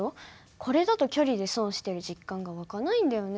これだと距離で損してる実感が湧かないんだよね。